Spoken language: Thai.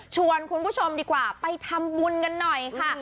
ชวนคุณผู้ชมดีกว่าไปทำบุญกันหน่อยค่ะ